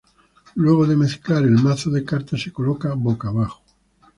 Luego de mezclar el mazo de cartas se coloca boca abajo.